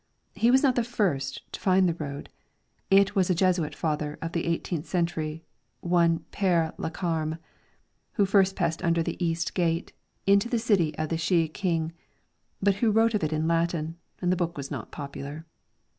He was not the first to find the road it was a Jesuit Father of the eighteenth century one Pere Lacharme, who first passed under the 'East Gate' into the city of the Shih King, but he wrote of it in Latin, and the book was not popular.